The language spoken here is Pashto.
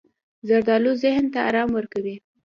زردالو ذهن ته ارام ورکوي.